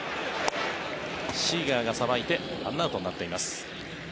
シーガーがさばいて１アウトになっています。